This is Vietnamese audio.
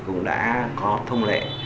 cũng đã có thông lệ